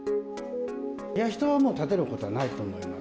人はもう立てることはないと思います。